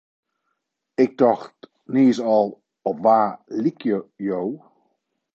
Ik tocht niis al, op wa lykje jo?